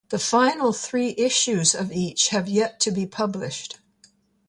The final three issues of each have yet to be published.